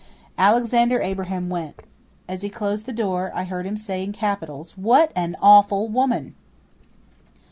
Alexander Abraham went. As he closed the door, I heard him say, in capitals, "WHAT AN AWFUL WOMAN!"